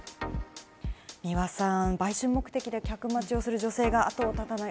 三輪さん、売春目的で客待ちをする女性が後を絶たない。